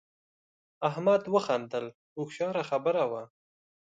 احمد وخندل هوښیاره خبره وه.